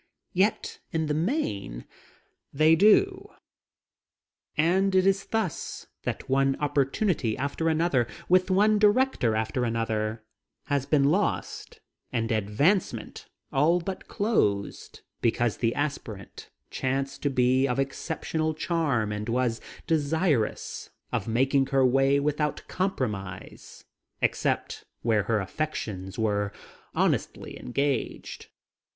Yet in the main they do. And it is thus that one opportunity after another, with one director after another, has been lost, and advancement all but closed because the aspirant chanced to be of exceptional charm and was desirous of making her way without compromise except where her affections were honestly engaged.